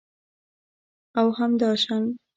او همداشان